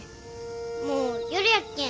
もう夜やっけん